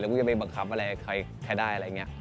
กูจะไปบังคับอะไรใครได้อะไรอย่างนี้